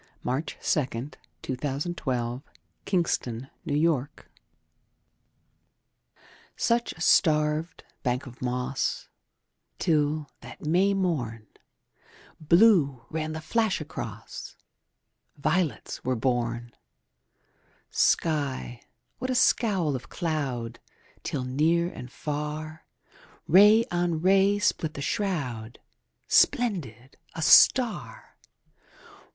Yours be the care! "SUCH A STARVED BANK OF MOSS" Such a starved bank of moss Till, that May morn, Blue ran the flash across: Violets were born! Sky what a scowl of cloud 5 Till, near and far, Ray on ray split the shroud: Splendid, a star!